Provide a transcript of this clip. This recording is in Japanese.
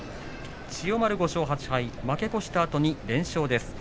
千代丸５勝８敗負け越したあとに連勝です。